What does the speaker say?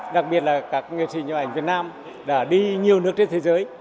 đặc biệt là các nghệ sĩ nhấ ảnh việt nam đã đi nhiều nước trên thế giới